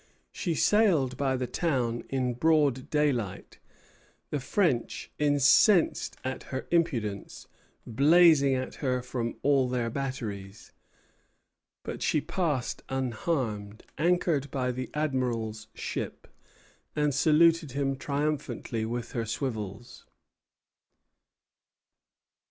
She sailed by the town in broad daylight, the French, incensed at her impudence, blazing at her from all their batteries; but she passed unharmed, anchored by the Admiral's ship, and saluted him triumphantly with her swivels.